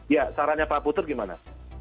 ya sarannya pak putut gimana